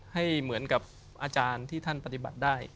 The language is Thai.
ให้เหมือนกับอาจารย์ที่ท่านปฏิบัติได้